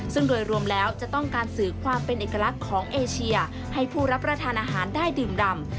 ซึ่งโดยรวมแล้วจะต้องการสื่อความเป็นเอกลักษณ์ของเอเชียให้ผู้รับประทานอาหารได้ดื่มดำ